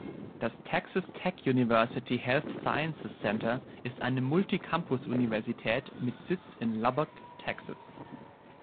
Das Texas Tech University Health Sciences Center ist eine Multi-Campus-Universität mit Sitz in Lubbock, Texas.